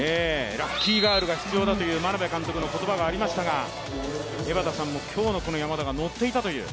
ラッキーガールが出場という眞鍋監督の言葉もありましたが、江畑さんも今日の山田がノッていたという。